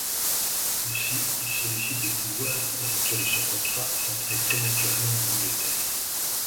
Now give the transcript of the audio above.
Aussi, il sollicite de pouvoir, en rupture de son contrat, rentrer prématurément en Angleterre.